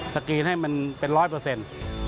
สกรีนให้มันเป็น๑๐๐